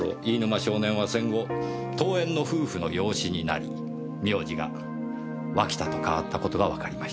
少年は戦後遠縁の夫婦の養子になり名字が「脇田」と変わった事がわかりました。